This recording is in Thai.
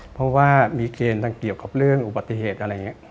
เพราะว่ามีเกณฑ์ทางเกี่ยวกับเรื่องอุบัติเหตุอะไรอย่างนี้